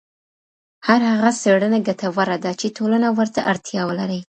هر هغه څېړنه ګټوره ده چي ټولنه ورته اړتیا ولري.